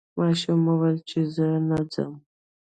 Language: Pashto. ماشوم وویل چې زه نه ځم.